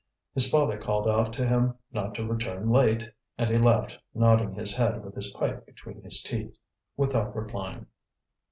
His father called out to him not to return late; and he left, nodding his head with his pipe between his teeth, without replying.